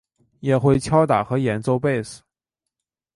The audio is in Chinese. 也会打鼓和演奏贝斯。